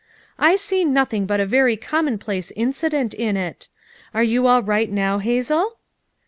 I see nothing but a very commonplace incident in it. Are you all right now, Hazel?"